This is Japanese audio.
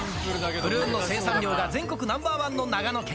プルーンの生産量が全国ナンバー１の長野県。